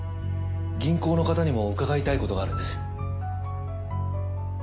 銀行の方にも伺いたいことがあるんです。